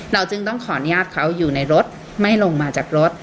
จึงต้องขออนุญาตเขาอยู่ในรถไม่ลงมาจากรถ